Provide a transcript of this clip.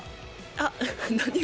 あっ、何？